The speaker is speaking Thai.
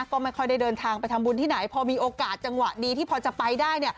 ก็ไม่ค่อยได้เดินทางไปทำบุญที่ไหนพอมีโอกาสจังหวะดีที่พอจะไปได้